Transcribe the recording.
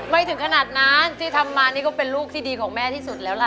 ไม่ถึงขนาดนั้นที่ทำมานี่ก็เป็นลูกที่ดีของแม่ที่สุดแล้วล่ะ